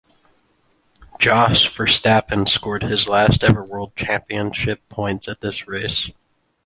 Jos Verstappen scored his last ever world championship points at this race.